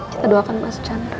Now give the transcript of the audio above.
kita doakan mas candra